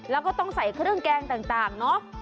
แล้วก็ต้องใส่เครื่องแกงต่างเนอะ